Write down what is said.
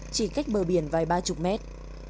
chỉ cách bờ biển vài ba chục mét